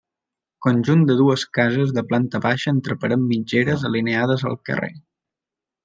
Conjunt de dues cases de planta baixa entre parets mitgeres alineades al carrer.